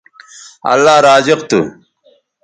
اللہ رازق تھو